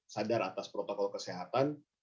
sadar atas protokol kesehatan